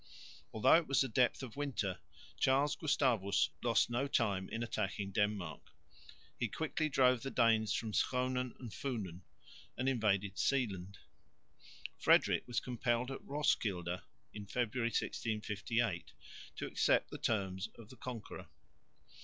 Although it was the depth of winter Charles Gustavus lost no time in attacking Denmark. He quickly drove the Danes from Schonen and Funen and invaded Seeland. Frederick was compelled at Roeskilde (February, 1658) to accept the terms of the conqueror.